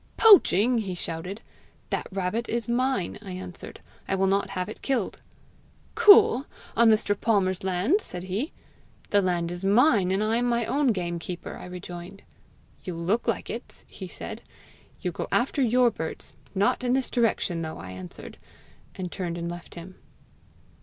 'Poaching!' he shouted. 'That rabbit is mine,' I answered; 'I will not have it killed.' 'Cool! on Mr. Palmer's land!' said he. 'The land is mine, and I am my own gamekeeper!' I rejoined. 'You look like it!' he said. 'You go after your birds! not in this direction though,' I answered, and turned and left him."